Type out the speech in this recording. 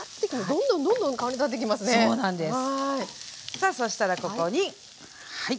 さあそしたらここにはい。